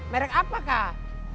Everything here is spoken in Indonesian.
merek apa kak